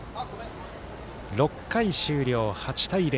６回終了、８対０。